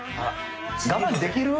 我慢できる？